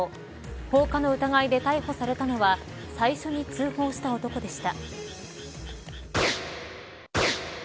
放火の疑いで逮捕されたのは最初に通報した男でした。